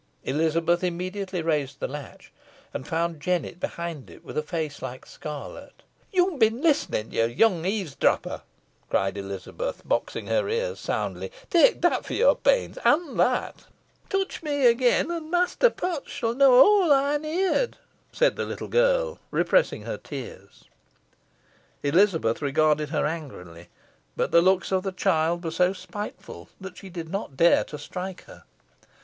Elizabeth immediately raised the latch, and found Jennet behind it, with a face like scarlet. "Yo'n been listenin, ye young eavesdropper," cried Elizabeth, boxing her ears soundly; "take that fo' your pains an that." "Touch me again, an Mester Potts shan knoa aw ey'n heer'd," said the little girl, repressing her tears. Elizabeth regarded her angrily; but the looks of the child were so spiteful, that she did not dare to strike her.